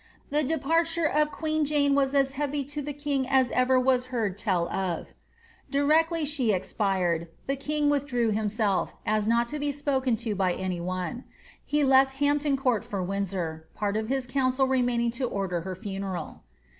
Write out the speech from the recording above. ^^ The departure of queen Jane was as heavy to the king as ever was heard tell of^' Directly she ex pired, the king withdrew himself, as not to be spoken to by any one. He left Hampton Court for Windsor, part of his council remaining to order her funeral.''